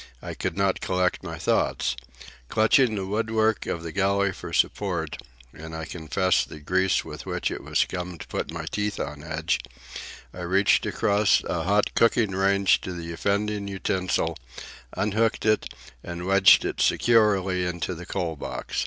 I could not collect my thoughts. Clutching the woodwork of the galley for support,—and I confess the grease with which it was scummed put my teeth on edge,—I reached across a hot cooking range to the offending utensil, unhooked it, and wedged it securely into the coal box.